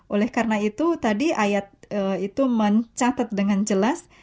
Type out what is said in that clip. oleh karena itu tadi ayat itu mencatat dengan jelas